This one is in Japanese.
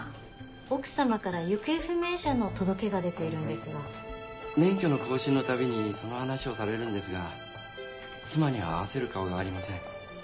奥様から行方不明者の届けが免許の更新のたびにその話をされるんですが妻には合わせる顔がありません